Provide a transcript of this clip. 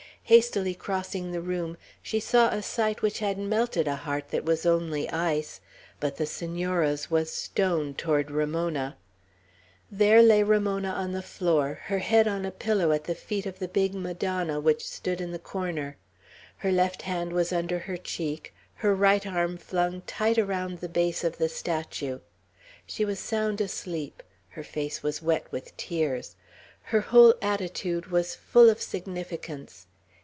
Hastily crossing the room, she saw a sight which had melted a heart that was only ice; but the Senora's was stone toward Ramona. There lay Ramona on the floor, her head on a pillow at the feet of the big Madonna which stood in the corner. Her left hand was under her cheek, her right arm flung tight around the base of the statue. She was sound asleep. Her face was wet with tears. Her whole attitude was full of significance.